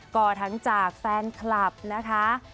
ก็ทั้งจากแฟนคลับนะคะ